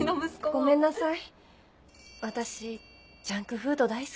ごめんなさい